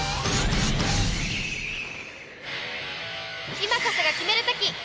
今こそがキメる時！